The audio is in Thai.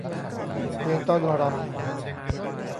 เลี้ยงต้อนรับ